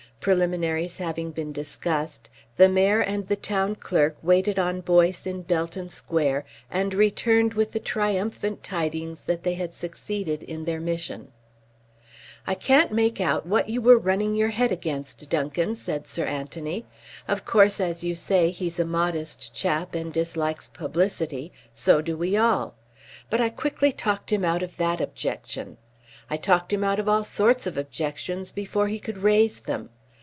Preliminaries having been discussed, the Mayor and the Town Clerk waited on Boyce in Belton Square, and returned with the triumphant tidings that they had succeeded in their mission. "I can't make out what you were running your head against, Duncan," said Sir Anthony. "Of course, as you say, he's a modest chap and dislikes publicity. So do we all. But I quickly talked him out of that objection. I talked him out of all sorts of objections before he could raise them.